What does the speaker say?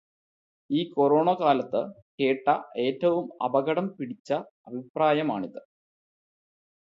ഈ കൊറോണകാലത്ത് കേട്ട ഏറ്റവും അപകടം പിടിച്ച അഭിപ്രായം ആണിത്.